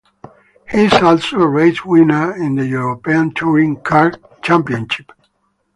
He is also a race winner in the European Touring Car Championship.